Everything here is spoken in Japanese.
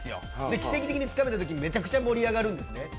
奇跡的につかめたときにめちゃくちゃ盛り上がるんですね。